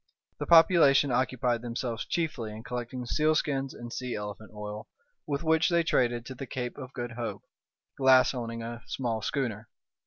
The population occupied themselves chiefly in collecting sealskins and sea elephant oil, with which they traded to the Cape of Good Hope, Glass owning a small schooner.